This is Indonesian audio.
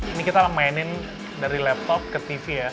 ini kita mainin dari laptop ke tv ya